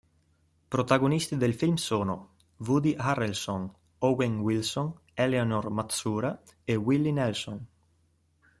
Protagonisti del film sono Woody Harrelson, Owen Wilson, Eleanor Matsuura e Willie Nelson.